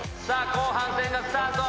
後半戦がスタート。